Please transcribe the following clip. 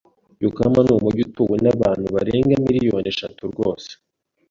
Yokohama n'umujyi utuwe n'abantu barenga miliyoni eshatu rwose